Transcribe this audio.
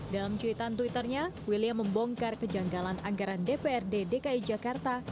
dalam cuitan twitternya william membongkar kejanggalan anggaran dprd dki jakarta